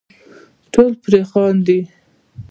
ټول پر خاندي .